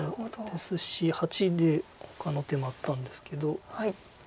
ですし⑧でほかの手もあったんですけど。